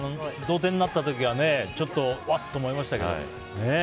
同点になった時はねちょっとわっと思いましたけど。